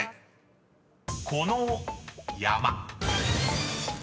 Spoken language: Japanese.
［この山］